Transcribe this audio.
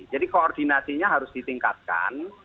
jadi koordinasinya harus ditingkatkan